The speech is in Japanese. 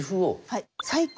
はい。